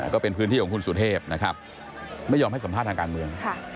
ก็เป็นพื้นที่ของคุณสุเทพนะครับไม่ยอมให้สัมภาษณ์ทางการเมือง